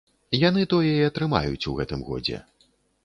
Яны тое і атрымаюць у гэтым годзе.